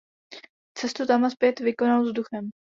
Cestu tam a zpět vykonal vzduchem.